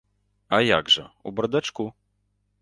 А як жа, у бардачку.